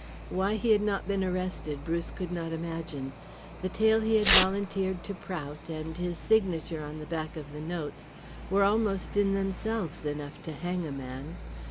Why he had not been arrested Bruce could not imagine. The tale he had volunteered to Prout and his signature on the back of the notes were almost in themselves enough to hang a man.